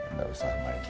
nggak usah mai